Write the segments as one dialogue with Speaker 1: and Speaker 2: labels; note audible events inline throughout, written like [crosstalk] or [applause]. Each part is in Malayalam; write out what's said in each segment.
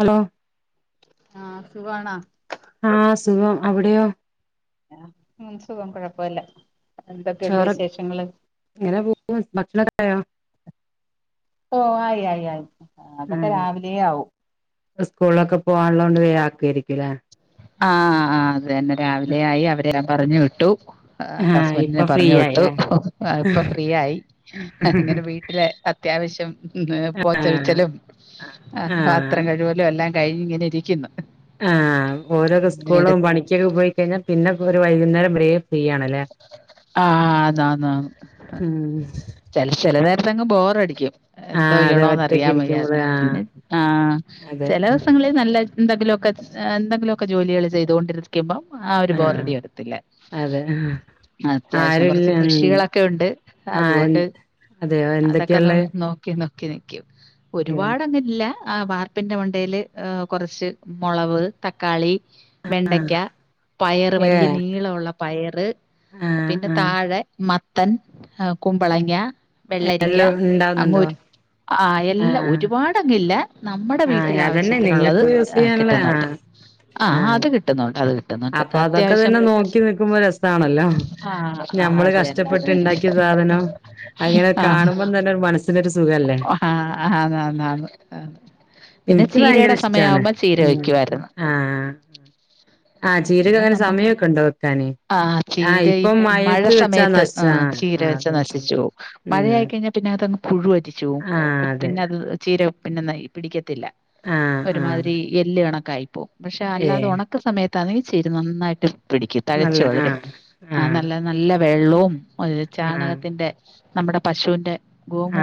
Speaker 1: ഹലോ
Speaker 2: ആഹ് സുഖാണോ
Speaker 1: ആഹ് സുഖം അവിടെയോ
Speaker 2: ആഹ് ഉം സുഖം കുഴപ്പല്ല
Speaker 1: ചോറ ഇങ്ങനെ പോകുന്നു ഭക്ഷണക്കായോ
Speaker 2: ഓ ആയി ആയി ആയി അതൊക്കെ
Speaker 1: ആഹ്
Speaker 2: രാവിലെ ആവും
Speaker 1: സ്കൂളിലൊക്കെ പോകാനുള്ളതോണ്ട് വേഗ ആക്കുവയിരിക്കലേ
Speaker 2: ആഹ ആഹ് അതന്നെ രാവിലെ ആയി അവരെല്ലാം പറഞ്ഞു വിട്ടു
Speaker 1: ആഹ് ഇപ്പൊ
Speaker 2: ഹുസ്ബന്റിനെ
Speaker 1: ഫ്രീ
Speaker 2: പറഞ്ഞു വിട്ടു
Speaker 1: ആയില്ലേ
Speaker 2: ഇപ്പൊ ഫ്രീ ആയി ഇങ്ങനെ വീട്ടില അത്യാവശ്യം പോച്ച
Speaker 1: ആഹ്
Speaker 2: വിച്ചലും
Speaker 1: ആഹ്
Speaker 2: പത്രം കഴിവലും എല്ലാം കഴിഞ്ഞ ഇങ്ങനെ ഇരിക്കുന്നു
Speaker 1: ആ ഓരോെ
Speaker 2: എടു
Speaker 1: സ്കൂളിലും പണിക്കൊക്കെ പോയിക്കഴിഞ്ഞാൽ പിന്നെ ഒരു വൈകുന്നേരം വരെ ഫ്രീ ആണ്
Speaker 2: ആ ആന്നാന്ന്
Speaker 1: ഉം
Speaker 2: ചെല ചെല നേരത്തെങ്ങ് ബോറടിക്കും എന്തോ
Speaker 1: ആഹ് അതെ
Speaker 2: ചെയ്യണോന്ന്
Speaker 1: ഒറ്റക്ക്
Speaker 2: അറിയാൻ
Speaker 1: ഇരിക്കുമ്പോള്
Speaker 2: വയ്യാതെ
Speaker 1: ആഹ്
Speaker 2: പിന്നെ ആ
Speaker 1: അതെ
Speaker 2: ചില ദിവസങ്ങളിൽ നല്ല എന്തെങ്കിലുമൊക്കെ എന്തെങ്കിലുമൊക്കെ ജോലികൾ ചെയ്തുകൊണ്ടിരിക്കുമ്പോ ആ ഒരു
Speaker 1: ആഹ്
Speaker 2: ബോറടി വരത്തില്ല
Speaker 1: അതെ
Speaker 2: അത്യാവശ്യം
Speaker 1: ആരുല്ല
Speaker 2: കുറച്ച്
Speaker 1: ഉം
Speaker 2: കൃഷികളൊക്കെ ഉണ്ട്
Speaker 1: ആഹ്
Speaker 2: അതുകൊണ്ട്
Speaker 1: അതെയോ
Speaker 2: അതൊക്കെ
Speaker 1: എന്തൊക്കെയുള്ളേ
Speaker 2: നോ ക്കി നോക്കി നിക്കും
Speaker 1: ഏഹ്
Speaker 2: ഒരുപാട് അങ്ങനെ ഇല്ല ആ വാർപ്പിന്റെ മണ്ടയില് കുറച്ച് മുളവ്, തക്കാളി
Speaker 1: ആഹ്
Speaker 2: വെണ്ടയ്ക്ക, പയറ് വലിയ
Speaker 1: ഏഹ്
Speaker 2: നീളമുള്ള പയറ്
Speaker 1: ആഹ്
Speaker 2: പിന്നെ
Speaker 1: ആഹ്
Speaker 2: താഴെ മത്തൻ ആ കുമ്പളങ്ങ, വെള്ളരിക്ക
Speaker 1: എല്ലാം
Speaker 2: അങ്ങ്
Speaker 1: ഉണ്ടാവുന്നുണ്ടോ
Speaker 2: ഒരു ആ എല്ലാം
Speaker 1: ആഹ്
Speaker 2: ഒരുപാടങ്ങില്ല നമ്മടെ
Speaker 1: ആഹ് അതന്നെ
Speaker 2: വീട്ടിലാവശ്യത്തിനുള്ളത്
Speaker 1: നിങ്ങക്ക് യൂസ് ചെയ്യാനുള്ള
Speaker 2: കിട്ടുന്നുണ്ട്
Speaker 1: ആഹ്
Speaker 2: ആഹ് അത് കിട്ടുന്നുണ്ട് അത് കിട്ടും
Speaker 1: അപ്പൊ അതൊക്കെ തന്നെ നോക്കി നിക്കുമ്പോ രസ് സാ ആണല്ലോ
Speaker 2: ആഹ് ആഹ്
Speaker 1: ഞമ്മള്
Speaker 2: അത് തന്നെ അത്
Speaker 1: കഷ്ടപ്പെട്ട്
Speaker 2: തന്നെ
Speaker 1: ഉണ്ടാക്കിയ സാധനം അങ്ങനെ
Speaker 2: ആഹ്
Speaker 1: കാണുമ്പം തന്നെ ഒരു മനസ് സിനൊരു സുഖ
Speaker 2: ആഹ് ആന്നാന്നാണ് ആന്ന് പിന്നെ
Speaker 1: എനിക്ക് ഭയങ്കര
Speaker 2: ചീരയുടെ
Speaker 1: ഇഷ്ടാണ്
Speaker 2: സമയമാവുമ്പോ ചീര
Speaker 1: ഉം
Speaker 2: വയ്ക്കുവായിരുന്നു
Speaker 1: ആഹ് ആ
Speaker 2: പിന്നെ
Speaker 1: ചീരക്കങ്ങനെ
Speaker 2: നമ്മ
Speaker 1: സമയ ഒക്കെ ഉണ്ടോ വെക്കാനെ
Speaker 2: ആ ചീര ഈ മഴ സമയത്ത്
Speaker 1: നശിച്ച
Speaker 2: ആ ചീര
Speaker 1: ആഹ് ആഹ്
Speaker 2: വെച്ച
Speaker 1: അത് മനസ്സിലായി
Speaker 2: നശിച്ചു പോകും
Speaker 1: ഉം
Speaker 2: മഴയായി കഴിഞ്ഞാൽ പിന്നെ അതങ്ങ് പുഴു അരിച്ചു പോവും
Speaker 1: ആഹ് അതെ
Speaker 2: പിന്നെ അത് ചീര പിന്നെ ന പിടിക്കത്തില്ല
Speaker 1: ആഹ് ആഹ്
Speaker 2: ഒരുമാതിരി എല്ല് കണക്കായിപ്പോ പക്ഷെ അല്ലാതെ
Speaker 1: ഏഹ്
Speaker 2: ഉണ ക്ക സമയത്താണെങ്കി ചീര നന്നായിട്ട് പിടിക്കും തഴച്ചു
Speaker 1: നല്ല
Speaker 2: വളരും
Speaker 1: ആഹ് ആഹ്
Speaker 2: നല്ല നല്ല വെള്ളവും ഒരു
Speaker 1: ആഹ്
Speaker 2: ചാണകത്തിന്റെ നമ്മുടെ പശുവിന്റെ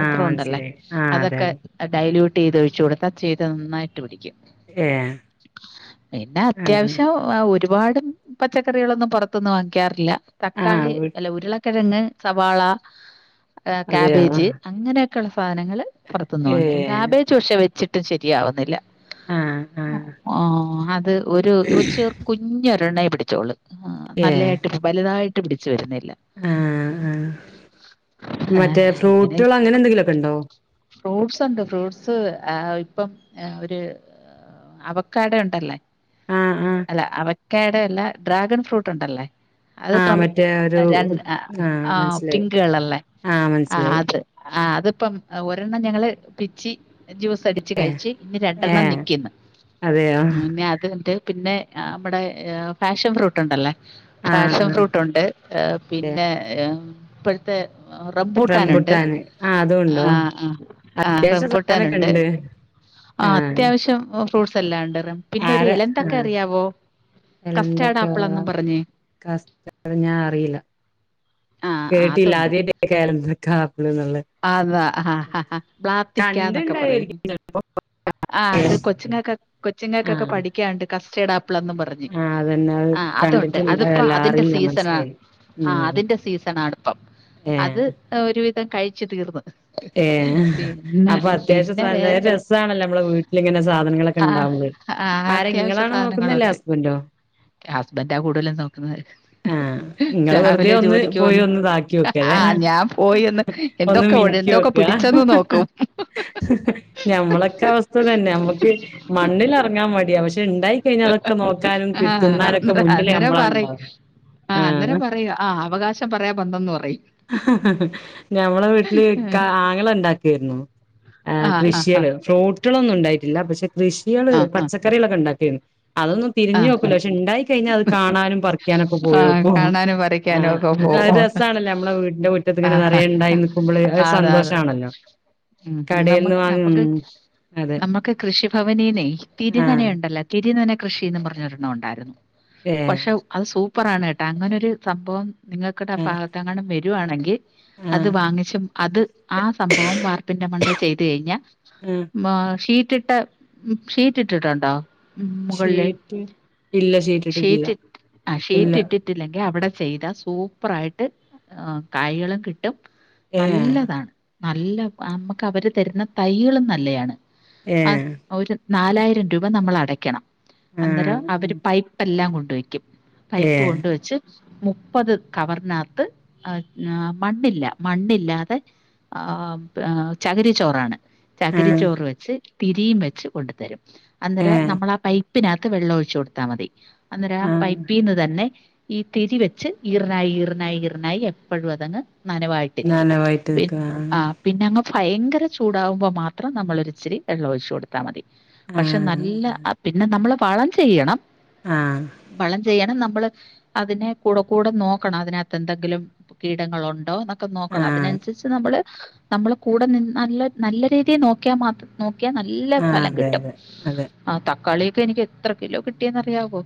Speaker 1: ആഹ്
Speaker 2: ഉണ്ടല്ലേ
Speaker 1: മനസ്സിലായി ആഹ് അതെ
Speaker 2: അതൊക്കെ
Speaker 1: അതെ
Speaker 2: ഡയലയൂട്ട് ചെയ്ത് ഒഴിച്ചു കൊടുത്താൽ ചീര നന്നായിട്ട് പിടിക്കും
Speaker 1: ഏ
Speaker 2: പിന്നെ അത്യാവശ്യം ഒരുപാട് പച്ചക്കറികളൊന്നും പുറത്ത്ന്നും വാങ്ങിക്കാറില്ല
Speaker 1: ആഹ്
Speaker 2: തക്കാളി
Speaker 1: വീ
Speaker 2: അല്ല ഉരുളക്കിഴങ്ങ്, സവാള,
Speaker 1: അതെയോ
Speaker 2: കാബേജ് അങ്ങനെയൊക്കെയുള്ള സാധനങ്ങൾ പുറത്തുന്ന് വാങ്ങിക്കും
Speaker 1: ഏഹ്
Speaker 2: കാബേജ് പക്ഷെ വെച്ചിട്ടും ശരിയാവുന്നില്ല
Speaker 1: ആഹ് ആഹ്
Speaker 2: ആ അത് ഒരു ചേർ കുഞ്ഞൊരെണ്ണയ പിടിച്ചോളൂ ആ
Speaker 1: ഏഹ്
Speaker 2: നല്ലതായിട്ട് വലുതായിട്ട് പിടിച്ചു വരുന്നില്ല
Speaker 1: ആഹ് ആ
Speaker 2: ആ,
Speaker 1: മറ്റേ
Speaker 2: ഇങ്ങനെ
Speaker 1: ഫ്രൂട്ടുകൾ അങ്ങനെ എന്തെങ്കിലു ഒക്കെ ഉണ്ടോ
Speaker 2: ഫ്രൂട്ട്സ് ഉണ്ട് ഫ്രൂട്ട്സ് ഇപ്പം ഒരു അവക്കാടഡെ ഉണ്ടല്ലേ
Speaker 1: ആഹ് ആഹ്
Speaker 2: അല്ല അവയ്ക്കാഡെ എല്ലാ ഡ്രാഗൺ ഫ്രൂട്ട് ഉണ്ടല്ലേ
Speaker 1: ആഹ്
Speaker 2: അതിപ്പം
Speaker 1: മറ്റേ ഒരു
Speaker 2: രണ്ട്
Speaker 1: ആഹ്
Speaker 2: ആ
Speaker 1: മനസ്സിലായി
Speaker 2: പിങ്കു കളർള്ള
Speaker 1: ആഹ്
Speaker 2: ആ
Speaker 1: മനസ്സിലായി
Speaker 2: അത് ആ അതിപ്പം ഒരെണ്ണം ഞങ്ങള് പിച്ചി ജ്യൂസ് അടിച്ച്
Speaker 1: ഏഹ്
Speaker 2: കഴിച്ച് ഇനി രണ്ടെണ്ണം
Speaker 1: ഏഹ്
Speaker 2: നക്കുന്നു
Speaker 1: അതെയോ
Speaker 2: പിന്നെ അത്ണ്ട് പിന്നെ നമ്മുടെ ഫാഷൻ ഫ്രൂട്ട് ഉണ്ടല്ലേ
Speaker 1: ആഹ്
Speaker 2: ഫാഷൻ
Speaker 1: ആഹ്
Speaker 2: ഫ്രൂട്ട് ഉണ്ട് ഏ
Speaker 1: ഏഹ്
Speaker 2: പിന്നെ ഏ ഇപ്പൊഴത്തെ റബ്ബൂട്ടാൻ ഉണ്ട്
Speaker 1: റംബുട്ടാന് ആഹ് അതും ഉണ്ടോ
Speaker 2: ആ ആ ആഹ്
Speaker 1: അത്യാവശ്യം
Speaker 2: റബ്ബൂട്ടൻ
Speaker 1: സാധനൊക്കെ
Speaker 2: ഉണ്ട് ആ
Speaker 1: ആഹ്
Speaker 2: അത്യാവശ്യം ഫ്രൂട്ട്സ് എല്ലാം ഉണ്ട് പിന്നെ ഒരു
Speaker 1: ആരാ
Speaker 2: ഇലന്ത ക്ക
Speaker 1: ആഹ്
Speaker 2: അറിയാവോ കസ്റ്റാഡ്
Speaker 1: എന്തൊക്കാ
Speaker 2: ആപ്പിൾ എന്നും പറഞ്ഞേ
Speaker 1: കസ്റ്റ ഞാൻ അറിയില്ല കേട്ടില്ല ആദ്യ ആയിറ്റ കേൾക്ക [inaudible] എലന്തക്ക ആപ്പിൾ എന്നുള്ള
Speaker 2: അതാ ആഹ് ഹ ഹ പ്രാർത്തിക്കന്നൊക്കെ പറയും
Speaker 1: കണ്ടിണ്ടായിരിക്കും
Speaker 2: ആഹ് അത് കൊച്ചുങ്ങക്ക് കൊച്ചുങ്ങൾക്കൊക്കെ
Speaker 1: ആഹ്
Speaker 2: പഠിക്കാനുണ്ട് കസ്റ്റേർഡ് ആപ്പിളന്നും പറഞ്ഞു
Speaker 1: ആഹ് അതന്നെ അത്
Speaker 2: ആഹ് അതുണ്ട് അതിപ്പോ
Speaker 1: കണ്ടിട്ടുണ്ടായല്ല
Speaker 2: അതിന്റെ
Speaker 1: അറിയില്ല
Speaker 2: സീസൺണ്
Speaker 1: മനസ്സിലായില്ല
Speaker 2: ആഹ്
Speaker 1: ഉം
Speaker 2: അതിന്റെ സീസൺാടപ്പം അത്
Speaker 1: ഏഹ്
Speaker 2: ഒരുവിധം കഴിച്ചു തീർന്നു
Speaker 1: ഏഹ് അപ്പൊ
Speaker 2: പിന്നെ വേറെ
Speaker 1: അത്യാവശ്യം രസമാണല്ലോ നമ്മളെ വീട്ടിലിങ്ങനെ സാധനങ്ങളൊക്കെ
Speaker 2: ആഹ്
Speaker 1: ഉണ്ടാവകുമ്പോൾ
Speaker 2: ആഹ് അത്യാവശ്യ സാധനങ്ങളുണ്ട് ഹസ്ബൻറാ കൂടുതലും നോക്കുന്നത്
Speaker 1: ആഹ് ഇങ്ങള് വെറുതെ
Speaker 2: രവിലെ
Speaker 1: ഒന്ന്
Speaker 2: ജോലിക്ക്
Speaker 1: പോയി
Speaker 2: വന്ന്
Speaker 1: ഒന്ന് ഇതാക്കി നോക്കല്ലേ
Speaker 2: ആഹ് ഞാൻ പോയിന്ന്
Speaker 1: ഒന്ന്
Speaker 2: എന്തൊക്കെ ഓടെ
Speaker 1: മിനുക്കി
Speaker 2: എന്തൊക്കെ പിടിച്ചെന്ന്
Speaker 1: നോക്കാ
Speaker 2: നോക്കും [unintelligible]
Speaker 1: ക്ക അവസ്ഥ തന്നെ നമ്മുക്ക് മണ്ണിൽറങ്ങാൻ മടിയ പക്ഷെ ഉണ്ടായി കഴി അതൊക്കെ നോക്കാനും കിട്ടുന്നാനുംക്കെ മുന്നിലേ
Speaker 2: അന്നേരം
Speaker 1: നമ്മളാ
Speaker 2: പറയും
Speaker 1: ഉണ്ടാവുന്നത്
Speaker 2: ആഹ് അന്നേരം പറയും ആഹ് അവകാശം പറയാ ബന്തന്നന്ന് പറയും
Speaker 1: [unintelligible] ഞമ്മളെ വീട്ടില്
Speaker 2: ഉം.
Speaker 1: താങ്ങ ഉണ്ടാക്കിരുന്നു
Speaker 2: ആ ഹാ ഹാ
Speaker 1: കൃഷികള് ഫ്രൂട്ടൊന്നും ഉണ്ടായിട്ടില്ല പക്ഷെ കൃഷികള്
Speaker 2: ആ ഹാ
Speaker 1: പച്ചക്കറികളൊക്കെ ഉണ്ടാക്കിരുന്നു അതൊന്നും
Speaker 2: ആ
Speaker 1: തിരിഞ്ഞു
Speaker 2: ഹാ
Speaker 1: നോക്കൂല്ല പക്ഷെ ഉണ്ടായി കഴിഞ്ഞാൽ അത് കാണാനും നൊക്കെ
Speaker 2: ആ
Speaker 1: പോയോക്കും
Speaker 2: കാണാനും വരയ്ക്കാനും ഒക്കെ പോകും
Speaker 1: ആഹ് സണല്ല നമ്മളെ വീടിന്റെ മുറ്റത്തി
Speaker 2: ആ
Speaker 1: ഇങ്ങനെ
Speaker 2: ഹാ ഹാ.
Speaker 1: നിറയ ഉണ്ടായി നക്കുമ്പോൾ അതൊരു
Speaker 2: അതെ അതെ
Speaker 1: സന്തോഷമാണല്ലോ
Speaker 2: ഉം നമ്മ നമ്മുക്ക്
Speaker 1: അതെ
Speaker 2: നമുക്ക് കൃഷിഭവനീനെ തിരനനെ
Speaker 1: ആഹ്
Speaker 2: ഉണ്ടല്ലോ തിരിനന കൃഷിന്ന് പറഞ്ഞൊരെണ്ണം ഉണ്ടായിരുന്നു
Speaker 1: ഏഹ്
Speaker 2: പക്ഷെ അത് സൂപ്പറാണ് കേട്ടാ അങ്ങനെരു സംഭവം നിങ്ങൾക്കിടെ ആഹ് ഭാഗത്ത് അങ്ങനും വരുവാണെങ്കിൽ [unintelligible]
Speaker 1: ആഹ്
Speaker 2: അത് വാങ്ങിച്ചും അത് ആഹ് സംഭവം വാർപ്പിന്റെ മണ്ടയിൽ ചെയ്തു കഴിഞ്ഞ
Speaker 1: ആഹ്
Speaker 2: മ ഷീറ്റിട്ട ഷീറ്റ് ഇട്ടിട്ടുണ്ടോ ഉം മുകളിലേ
Speaker 1: ഷീറ്റ് ഇല്ല ഷീറ്റിട്ടിട്ടില്ല
Speaker 2: ഷീറ്റ് ആഹ്
Speaker 1: ഇല്ല
Speaker 2: ഷീറ്റ് ഇട്ടി കില്ലെങ്കിൽ അവിടെ ചെയ്താ സൂപ്പറ ആായിട്ട് കായകളും കിട്ടും
Speaker 1: ഏഹ്
Speaker 2: നല്ലതാണ് നല്ല നമുക്ക് അവര് തരുന്ന തൈകളും നല്ലതാണ് ആഹ്
Speaker 1: ഏഹ്
Speaker 2: ഒരു നാലായിരം രൂപ നമ്മൾ അടക്കണം അന്നേരം
Speaker 1: ആഹ്
Speaker 2: അവര് പൈപ്പെല്ലാം കൊണ്ട് വെക്കും പൈപ്പ്
Speaker 1: ഏഹ്
Speaker 2: കൊണ്ട് വെച്ച് മുപ്പത് കവർനാത്ത് ആഹ് മണ്ണില്ല മണ്ണില്ലാതെ ആഹ് ചകിരിച്ചോറാണ്
Speaker 1: ആഹ്
Speaker 2: ചകിരിച്ചോറ് വെച്ച് തിരിയും വെച്ച് കൊണ്ടു തരും അന്നേരം
Speaker 1: ഏഹ്
Speaker 2: നമ്മളാ പൈ പ്പിനകത്ത് വെള്ളം ഒഴിച്ചു കൊടുത്താൽ മതി അന്നേരം ആ
Speaker 1: ആഹ്
Speaker 2: പൈപ്പിൽ തന്നെ ഈ തിരിവെച്ച് ഈറിനായി ഈറിനായി ഈറിനായി എപ്പഴും അതങ്ങ് നനവായി രിക്കും
Speaker 1: നനവായിട്ട്
Speaker 2: പി
Speaker 1: നിക്ക
Speaker 2: ആഹ് പിന്നെ അങ്ങ് ഭയങ്കര ചൂടാവുമ്പം മാത്രം നമ്മളൊരിച്ചിരി വെള്ളൊഴിച്ച് കൊട് ത്താ മതി പക്ഷെ
Speaker 1: ആഹ്
Speaker 2: നല്ല പിന്നെ നമ്മള് വളം ചെയ്യണം
Speaker 1: ആഹ്
Speaker 2: വളം ചെയ്യണം നമ്മള് അതിനെ കൂടെ കൂടെ നോക്കണം അതിനകത്ത് എന്തെങ്കിലും കീടങ്ങളുണ്ടോ ന്നൊക്കെ നോക്കണം
Speaker 1: ആഹ് ആഹ്
Speaker 2: അതിനനുസരിച്ച് നമ്മള് നമ്മള് കൂടെനിന്ന് നല്ല നല്ല രീതിയിൽ നോക്കിയാ മാത്രം നോക്കിയാ നല്ല
Speaker 1: ആഹ്
Speaker 2: ഫലം
Speaker 1: അതെ
Speaker 2: കിട്ടും
Speaker 1: അതെ അതെ
Speaker 2: ആഹ് തക്കാളിയൊക്കെ എനിക്ക് എത്ര കിലോ കിട്ടിയെന്നറിയാവോ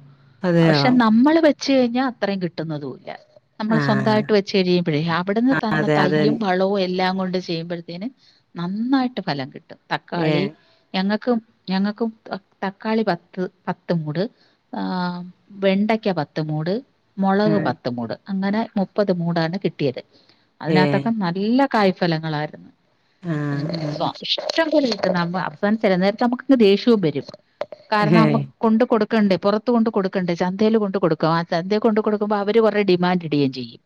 Speaker 1: അതെയോ
Speaker 2: പക്ഷെ നമ്മള് വെ വെച്ച് കഴിഞ്ഞാ അത്രേം കിട്ടുന്നതൂല്ല
Speaker 1: ആഹ്
Speaker 2: ചെരിയും പിഴയും അവിട്ന്ന്
Speaker 1: ആഹ്
Speaker 2: തന്ന
Speaker 1: അതെ അതെ
Speaker 2: തയ്യും വളവും എല്ലാകൊണ്ട് ചെയ്യുമ്പഴേത്തേന് നന്നായിട്ട് ഫലം കിട്ടും തക്കാളി
Speaker 1: ഏഹ്
Speaker 2: ഞങ്ങക്കും ഞങ്ങക്കും തക്കാളി പത്ത് പത്ത് മൂട് ആഹ് വെണ്ടയ്ക്ക പത്ത് മൂട് മൊളക്
Speaker 1: ആഹ്
Speaker 2: പത്ത് മൂട് അങ്ങനെ മുപ്പത് മൂടാണ് കിട്ടിയത്
Speaker 1: ഏഹ്
Speaker 2: അതിനകത്തൊക്കെ ന ല്ലാ കായ്ഫലങ്ങളായിരുന്നു
Speaker 1: ആഹ് ആഹ്
Speaker 2: ഇഷ്ടംപോലെ അവസാന ചെല നേരത്ത് നമുക്കങ്ങ് ദേഷ്യോം വരും കാരണം
Speaker 1: ഏഹ്
Speaker 2: നമ്മ കൊണ്ട് കൊടുക്കണ്ടെ പൊറത്തു കൊണ്ട് കൊടുക്കണ്ടെ ചന്തേല് കൊണ്ട് കൊടുക്കും ആ ചന്തേല് കൊണ്ട് കൊടുക്കുമ്പോ അവര് കൊറെ ഡിമാൻഡ്ടേം ചെയ്യും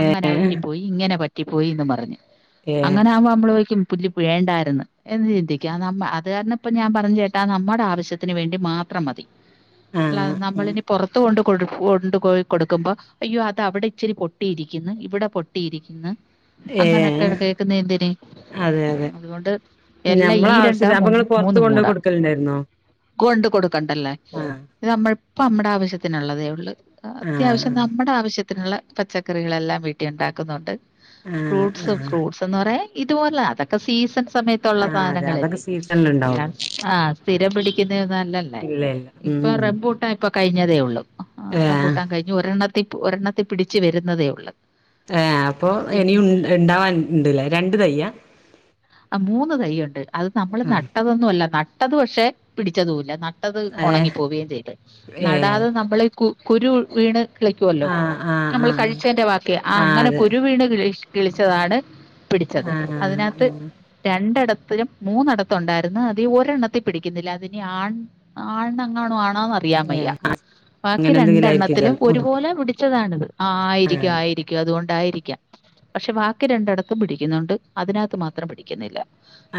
Speaker 2: അങ്ങനെ പറ്റിപ്പോയി ഇങ്ങനെ പറ്റിപ്പോയി എന്ന് പറഞ്ഞ്
Speaker 1: ഏഹ്
Speaker 2: അങ്ങനെ ആക്മ്പോ നമ്മളോയ്ക്കും പുല്ലിപ്പവേണ്ടായിര്ന്ന് എന്ന് ചിന്തിക്കാം നമ്മ അത് കാരണം ഇപ്പ ഞാൻ പറഞ്ഞു ചേട്ടാ നമ്മടെ ആവശ്യത്തിന് വേണ്ടി മാത്രം മതി അല്ലാതെ
Speaker 1: ആഹ്
Speaker 2: നമ്മളിനി പൊറത്ത് കൊണ്ട് കൊടു കൊണ്ട്പോയി കൊട്ക്കുമ്പോ അയ്യോ അത് അവിടെ ഇച്ചിരി പൊട്ടിയിരിക്ക്ന്ന് ഇവിടെ പൊട്ടിയിരിക്ക്ന്ന് അങ്ങനെയൊക്കെ
Speaker 1: ഏഹ്
Speaker 2: കേക്കുന്നെ എന്തിന്
Speaker 1: അതെ അതെ
Speaker 2: അതുകൊണ്ട് എല്ലാ
Speaker 1: ഞമ്മള
Speaker 2: ഈ രണ്ടാ
Speaker 1: ആവശ്യത്തിന്
Speaker 2: മു
Speaker 1: അപ്പൊ ഇങ്ങള് പൊറത്ത്
Speaker 2: മൂന്ന്
Speaker 1: കൊണ്ടോയി
Speaker 2: മൂടാ
Speaker 1: കൊടുക്കലുണ്ടായിരുന്നോ
Speaker 2: കൊണ്ട് കൊടുക്കണ്ടല്ലേ
Speaker 1: ആഹ്
Speaker 2: ഇത് നമ്മള്പ്പ നമ്മടെ ആവശ്യത്തിനുള്ളതേള്ളൂ അത്യാവശ്യം
Speaker 1: ആഹ്
Speaker 2: നമ്മടെ ആവശ്യത്തിന്ള്ള പച്ചക്കറികളെല്ലാം വീട്ടി ഇണ്ടാക്കുന്നുണ്ട്
Speaker 1: ആഹ്
Speaker 2: ഫ്രൂട്ട്സ്
Speaker 1: ആഹ്
Speaker 2: ഫ്രൂട്സ് ന്ന് പറയാ ഇതുപോലെ അതൊക്കെ സീസൺ സമയത്തുള്ള
Speaker 1: ആഹ് അതെ അതൊക്കെ
Speaker 2: സാധനങ്ങല്ലേ
Speaker 1: സീസണിൽ ഉണ്ടാവുള്ളൂ
Speaker 2: ആഹ് സ്ഥിരം പിടിക്കുന്നൊന്നല്ലല്ലേ
Speaker 1: ഇല്ല ഇല്ല
Speaker 2: ഇപ്പൊ
Speaker 1: ഉം
Speaker 2: റബൂ ട്ടാൻ ഇപ്പൊ കഴിഞ്ഞതേ ഒള്ളൂ
Speaker 1: ഏഹ്
Speaker 2: റംപൂട്ടാൻ കഴിഞ്ഞു ഒരെണ്ണത്തി ഒരെണ്ണത്തി പിടിച്ച് വരുന്നതേ ഒള്ളൂ
Speaker 1: ഏഹ് അപ്പൊ ഇനിയും ഇണ്ടാവാൻ ഇണ്ട്ലെ രണ്ട് തെയ്യാ
Speaker 2: ആഹ് മൂന്ന് തൈയ്യുണ്ട് അത് നമ്മള്
Speaker 1: ആഹ്
Speaker 2: നട്ടതൊന്നല്ല ന നട്ടത് പക്ഷെ പിടിച്ചതൂല്ല നട്ടത്
Speaker 1: ഏഹ്
Speaker 2: ഒണങ്ങിപ്പോവേം ചെയ്ത്
Speaker 1: ഏഹ്
Speaker 2: നടാതെ നമ്മള് കു കുരു വീണ് കിളിക്കുവല്ലോ
Speaker 1: ആഹ് ആഹ്
Speaker 2: നമ്മള്
Speaker 1: ആഹ്
Speaker 2: കഴിച്ചേന്റെ ബാക്കി ആഹ് അങ്ങനെ കുരു വീണ് കിളിച്ചതാണ് പിടിച്ചത്
Speaker 1: ആഹ്
Speaker 2: അതിനകത്ത്
Speaker 1: ആഹ്
Speaker 2: രണ്ടിടത്തിലും മൂന്നിടത്ത്ണ്ടായിരുന്നു അത് ഒരെണ്ണത്തി പിടിക്കുന്നില്ല അതിനി ആൺ ആൺണെങ്ങാനും ആണോ അറിയാവെയ്യ
Speaker 1: ഏഹ്
Speaker 2: ബാക്കി
Speaker 1: അങ്ങനെ എന്തെങ്കിലും ആയിരിക്കും
Speaker 2: രണ്ടെണ്ണത്തിലും
Speaker 1: ചെലപ്പോ
Speaker 2: ഒരുപോലെ പി ടിച്ചതാണ്ത് ആ ആയിരിക്കും
Speaker 1: ആഹ്
Speaker 2: ആയിരിക്കും അതുകൊണ്ടായിരിക്കാം പക്ഷെ ബാക്കി രണ്ടിടത്തും പിടിക്കുന്നുണ്ട് അതിനകത്ത് മാത്രം പിടിക്കുന്നില്ല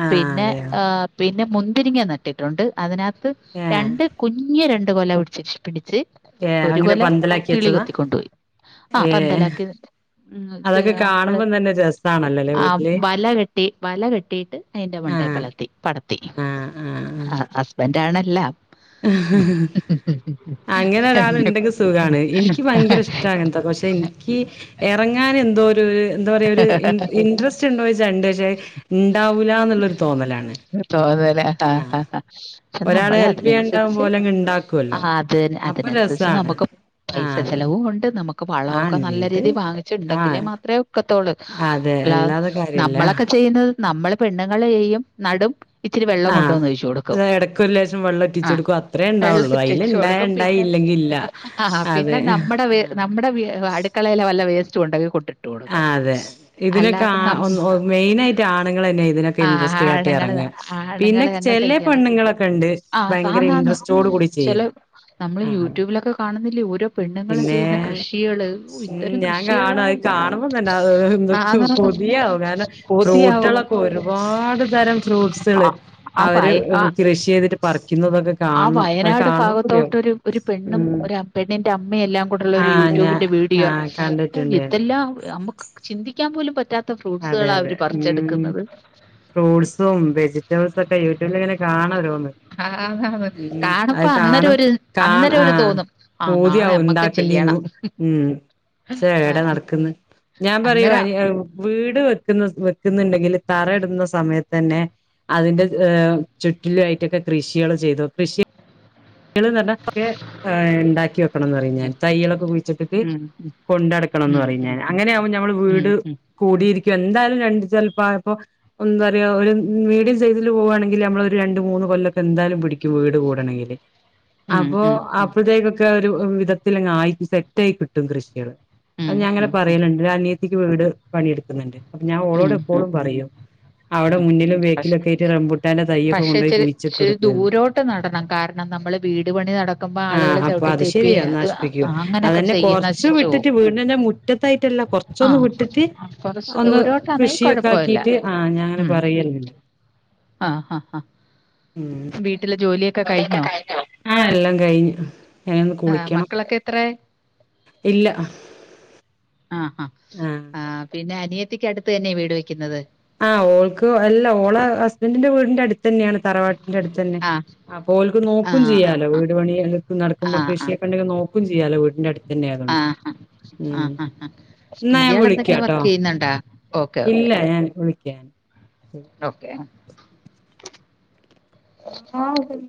Speaker 1: ആഹ്
Speaker 2: പിന്നെ
Speaker 1: അതെയോ
Speaker 2: ആഹ് പിന്നെ മുന്തിരിങ്ങ നട്ടിട്ടുണ്ട് അതിനക ത്ത്
Speaker 1: ഏഹ്
Speaker 2: രണ്ട് കുഞ്ഞ് രണ്ട് കൊല പിടിച്ച് പിടിച്ച്
Speaker 1: ഏഹ് അങ്ങനെ പന്തലാക്കി വെച്ചതാ
Speaker 2: ത്തിക്കൊണ്ടോയി ആഹ്
Speaker 1: ഏഹ്
Speaker 2: പന്തലാക്കി ഉം ഇത്
Speaker 1: അതൊക്കെ
Speaker 2: നമ്മള്
Speaker 1: കാണുമ്പം തന്നെ രസാണല്ലോല്ലേ
Speaker 2: ആഹ്
Speaker 1: വീട്ടില്
Speaker 2: വല കെട്ടി വല കെട്ടീട്ട് അയിൻ്റെ മണ്ടേ
Speaker 1: ആഹ്
Speaker 2: പലർത്തി പടത്തി ആഹ് ഹസ്ബെൻ്റാണെല്ലാം
Speaker 1: അങ്ങനെ
Speaker 2: എന്നെ
Speaker 1: ഒരാളാണ്ടെങ്കി സുഖാണ് എനിക്ക് ഭയങ്കര ഇഷ്ട ഇങ്ങൻത്തൊക്കെ പക്ഷെ ഇൻക്കി എറങ്ങാന് എന്തോരു എന്താ പറയാ ഒരു ഇട്രസ്റ്റ് ഇണ്ടോ ച ഇണ്ട് ജേ ഇണ്ടാവൂലാന്ന്
Speaker 2: ത്തോതല്ല ആഹ് ആഹ്
Speaker 1: ഒരാള്
Speaker 2: ചന്നപ്പളാത്
Speaker 1: ഹെൽപ് ചെയ്യാണ്ടാവുമ്പോ
Speaker 2: അതിനുസരിച്ച്
Speaker 1: ഓലങ്ങ് ഇണ്ടാക്കുവല്ലോ.
Speaker 2: ആഹ് അത്
Speaker 1: അപ്പൊ
Speaker 2: അതിനുസരിച്ച്
Speaker 1: രസാണ്.
Speaker 2: നമുക്ക്
Speaker 1: ആഹ്
Speaker 2: പൈസ
Speaker 1: അതെ
Speaker 2: ചെലവും കൊണ്ട് നമ ക്ക് വളൊക്കെ
Speaker 1: ആഹ്
Speaker 2: നല്ല
Speaker 1: ഇണ്ട്.
Speaker 2: രീതിൽ വാങ്ങിച്ചട്ടുണ്ടെങ്കിലേ
Speaker 1: ആഹ്
Speaker 2: മാത്രേ നിക്കത്തോള്ളൂ
Speaker 1: അതെ
Speaker 2: ല്ല
Speaker 1: അല്ലാതെ കാര്യല്ല.
Speaker 2: നമ്മളൊക്കെ ചെയ്യുന്നത് നമ്മള് പെണ്ണുങ്ങൾ ചെയ്യും നടും ഇച്ചിരി വെള്ളം
Speaker 1: ആഹ്
Speaker 2: കൊണ്ടുവന്ന് ഒഴിച്ച് കൊടുക്കും
Speaker 1: എടക്ക് ഒരു ലേശം വെള്ളം ഇറ്റിച്ചു
Speaker 2: ആഹ്
Speaker 1: കൊടുക്കും അത്രേ
Speaker 2: വെള്ളം
Speaker 1: ഇണ്ടാവുള്ളൂ. അയില്
Speaker 2: ഇറ്റെച്ച്
Speaker 1: ഇണ്ടായ
Speaker 2: കൊടുക്കും
Speaker 1: ഇണ്ടായി
Speaker 2: പിന്നെ
Speaker 1: ഇല്ലെങ്കി ഇല്ല.
Speaker 2: ആഹ് പിന്നെ
Speaker 1: അതെ
Speaker 2: നമ്മുടെ
Speaker 1: ആഹ്
Speaker 2: നമ്മുടെ അടുക്കളയില വല്ല വേസ്റ്റുണ്ടങ്കി കൊണ്ടിട്ടു
Speaker 1: ആഹ് അതെ ഇതിനൊക്കെ ആഹ് മെയിനായിട്ട് ആണുങ്ങൾ തന്നെ ഇതിനൊ
Speaker 2: ആ
Speaker 1: ഇൻട്രസ്റ്റ്
Speaker 2: ആണുങ്ങള്
Speaker 1: കാട്ടിറങ്ങു പിന്നെ
Speaker 2: ആണുങ്ങള് തന്നെ
Speaker 1: ചെല
Speaker 2: ചെയ്യണം.
Speaker 1: പെണ്ണ്ങ്ങളൊക്കെണ്ട്
Speaker 2: ആ
Speaker 1: ഭയങ്കര
Speaker 2: ആന്നാന്ന്
Speaker 1: ഇൻട്രസ്റ്റോട് കൂടി
Speaker 2: ചെല
Speaker 1: ചെയ്യുന്ന
Speaker 2: നമ്മള്
Speaker 1: ആ
Speaker 2: യൂട്യൂബിലൊക്കെ കാണുന്നില്ലേ ഓരോ പെണ്ണുങ്ങൾ
Speaker 1: പിന്നെ
Speaker 2: ചെയ്യുന്ന കൃഷികള് ഓഹ്
Speaker 1: ഉം
Speaker 2: ഇത്തരം
Speaker 1: ഞാൻ
Speaker 2: കൃഷികളാ
Speaker 1: കാണും അത് കാണുമ്പോ തന്നെ അത് എന്തൊക്കൊ
Speaker 2: ആന്നാന്ന്
Speaker 1: കൊതിയാവും കാരണം
Speaker 2: കൊതിയാവും
Speaker 1: റോഡുളക്കേ [unintelligible] രുപാട് തരം
Speaker 2: ആ
Speaker 1: ഫ്രൂട്ട്സുകള്
Speaker 2: ആ
Speaker 1: അവര് കൃഷി ചെയ്തിട്ട് പറിക്കുന്നതൊക്കെ
Speaker 2: ആഹ്
Speaker 1: കാണണം അത്
Speaker 2: വയനാട്
Speaker 1: കാണുമ്പോ
Speaker 2: ഭാഗത്തോട്ട്
Speaker 1: കൊതിയാവും
Speaker 2: ഒരു പെണ്ണും
Speaker 1: ഉം
Speaker 2: ഒരു പെണ്ണിന്റെമ്മയും എല്ലാം കൂടെള്ള
Speaker 1: ആ
Speaker 2: ഒരു
Speaker 1: ഞാൻ
Speaker 2: യൂട്യൂബിന്റെ വീ
Speaker 1: ആ
Speaker 2: ടിയോ
Speaker 1: കണ്ടിട്ടുണ്ട് ഞാൻ
Speaker 2: തെല്ലാം നമുക്ക് ചിന്തിക്കാൻ പോലും പറ്റാ
Speaker 1: അതെ
Speaker 2: ഫ്രൂട്ട്സുകളാ
Speaker 1: അതെ
Speaker 2: അവര്
Speaker 1: ഉം
Speaker 2: പറിച്ചെടുക്കുന്നത്
Speaker 1: ഫ്രൂട്ട്സും വെജിറ്റബിൾസൊക്കെ യൂട്യൂബിലങ്ങനെ കാണരോന്ന്
Speaker 2: ആന്നാന്ന്.
Speaker 1: ഉം
Speaker 2: കാണുമ്പോ
Speaker 1: അത്
Speaker 2: അന്നേരം
Speaker 1: കാണും
Speaker 2: ഒരു
Speaker 1: കാ
Speaker 2: അന്നേരം ഒരു
Speaker 1: ആഹ്
Speaker 2: തോന്നും. ആഹ് നാളെ അമ്മക്കും
Speaker 1: പൂതിയാവുണ്ടാക്കേണ്ടിന്നു
Speaker 2: ചെയ്യണം.
Speaker 1: ഉം എടാ
Speaker 2: ആഹ്
Speaker 1: നടക്കന്ന് ഞാൻ പറയൂ
Speaker 2: അന്നേരം
Speaker 1: അനി വീട് വെക്കുന്ന വെക്കുന്നുണ്ടെങ്കിൽ തറടുന്ന സമയത്തന്നെ- അതിന്റെ ചുറ്റിലായിട്ടൊക്കെ കൃഷികൾ ചെയ്തു കൃഷി- [unintelligible] ഉണ്ടാക്കി വെക്കണംന്ന് പറിം ഞാൻ തയ്യളൊക്കെ കുഴിച്ചിട്ടിട്ട്-
Speaker 2: ഉം ഉം
Speaker 1: കൊണ്ടടക്കണംന്ന്
Speaker 2: ഉം
Speaker 1: പറിം
Speaker 2: ഉം
Speaker 1: ഞാൻ അങ്ങനെയാകുമ്പോ ഞമ്മളെ
Speaker 2: ഉം
Speaker 1: വീട്-
Speaker 2: ഉം
Speaker 1: കൂടിയിരിക്കും എന്തായാലും രണ്ട് ചിലപ്പായപ്പോ- എന്താറ്യോ ഒരു മീഡിയം സൈസില് പോവാണെങ്കിൽ നമ്മള് ഒരു രണ്ട് മൂന്ന് കൊല്ലൊക്കെ എന്തായാലും പിടിക്കും വീട് കൂടണങ്കില്-
Speaker 2: ഉം ഉം
Speaker 1: അപ്പോ
Speaker 2: ഉം ഉം
Speaker 1: ആപ്പിൾ തൈക്കൊക്കെ ഒരു വിധത്തില ആയിട്ട് സെറ്റായി കിട്ടും കൃഷികള്- അത്
Speaker 2: ഉം ഉം
Speaker 1: ഞാൻങ്ങനെ
Speaker 2: ഉം
Speaker 1: പറയലുണ്ട് അനിയത്തിക്ക് വീട് പണിയെടുക്കുന്നുണ്ട് അപ്പൊ ഞാൻ ഓളോട്
Speaker 2: ഉം ഉം
Speaker 1: എപ്പോഴും പറയും- അവിടെ
Speaker 2: ഉം
Speaker 1: മുന്നിലും
Speaker 2: പഷ്
Speaker 1: ബേക്കിലക്കെയിട്ട് റംമ്പുട്ടാന്റെ തയ്യൊക്കെ
Speaker 2: പക്ഷെ
Speaker 1: കൊണ്ടോയി
Speaker 2: ഇച്ചിരി ഇച്ചിരി
Speaker 1: കുഴിച്ചിട്ടൊട്ത്ത്-
Speaker 2: ദൂരോട്ട് നടണം കാരണം നമ്മള് വീട് പണി നട മ്പോ ആളുകൾ
Speaker 1: ആഹ് അപ്പൊ
Speaker 2: ചവിട്ടി
Speaker 1: അത്
Speaker 2: തേപ്പി
Speaker 1: ശരിയാ
Speaker 2: അത്
Speaker 1: നശിപ്പിക്കും
Speaker 2: അങ്ങനെയൊക്കെ ചെയ്യന്ന് നശിച്ചോകും-
Speaker 1: ന്നെ മുറ്റത്തായിട്ടല്ല കൊറച്ചൊന്ന് വിട്ടിട്ട്-
Speaker 2: കൊറച്ച്
Speaker 1: ഒന്ന്
Speaker 2: ദൂരോട്ടാണെങ്കി കൊഴപ്പവില്ല.
Speaker 1: കൃഷിയൊക്കാക്കിട്ട് ആഹ് ഞാങ്ങനെ
Speaker 2: ഉം
Speaker 1: പറയലണ്ട്-
Speaker 2: ആഹ് ആഹ് ആഹ് വീട്ടിലെ ജോലിയൊക്കെ കഴിഞ്ഞോ?
Speaker 1: ആഹ് എല്ലം കഴിഞ്ഞ്-
Speaker 2: ആഹ് മക്കളൊക്കെത്ര-
Speaker 1: ഇല്ല-
Speaker 2: ആഹ് ആഹ്
Speaker 1: ആ
Speaker 2: ആഹ് പിന്നെ അനിയത്തിക്ക് അടുത്ത് തന്നെ വീട് വെക്കുന്നത്-
Speaker 1: ആഹ് ഓൾക്ക് അല്ല ഓള് ഹസ്ബൻറിന്റെ വീടിന്റെ അടുത്ത് തന്നെയാ തറവാട്- ന്റെടുത്തന്നെ
Speaker 2: ആ
Speaker 1: അപ്പോ ഓൽക്ക്
Speaker 2: ആ
Speaker 1: നോക്കും ചെയ്യാലോ വീട് പണി
Speaker 2: ആ ആ
Speaker 1: നടക്കുമ്പോ കൃഷി ണ്ടെങ്കിൽ നോക്കും ചെയ്യാലോ വീടിന്റെ അടുത്തന്നെ ആയാല്-
Speaker 2: ആ ആ
Speaker 1: ഉം
Speaker 2: ആ ആ
Speaker 1: ന്നാ ഞാൻ
Speaker 2: ഇയാൾ എന്തെങ്കിലും
Speaker 1: വിളിക്കാട്ടോ
Speaker 2: വർക്ക് ചെയ്യുന്നുണ്ടോ ഓക്കെ ഓക്കെ
Speaker 1: ഇല്ല ഞാൻ വിളിക്കാ-
Speaker 2: ഓക്കെ-
Speaker 1: ആഹ് [unintelligible]